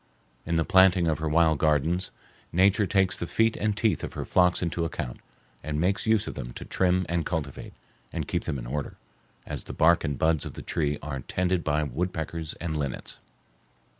In the planting of her wild gardens, Nature takes the feet and teeth of her flocks into account, and makes use of them to trim and cultivate, and keep them in order, as the bark and buds of the tree are tended by woodpeckers and linnets.